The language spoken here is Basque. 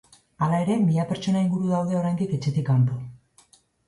Hala ere, mila pertsona inguru daude oraindik etxetik kanpo.